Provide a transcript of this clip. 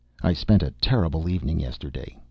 _ I spent a terrible evening yesterday.